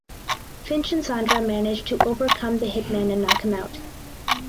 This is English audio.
Finch and Sandra manage to overcome the hitman and knock him out.